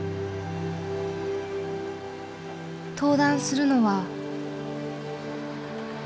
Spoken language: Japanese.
登壇するのは。